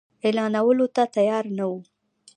اعلانولو ته تیار نه وو.